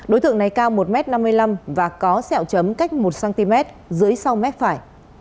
đối tượng này cao một m năm mươi năm và có sẹo chấm cách một cm dưới sau mép phải